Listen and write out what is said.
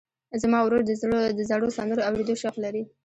زما ورور د زړو سندرو اورېدو شوق لري.